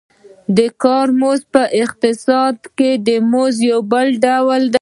د کار مزد په اقتصاد کې د مزد یو بل ډول دی